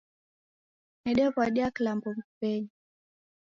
Nedew'adia kilambo mbuw'enyi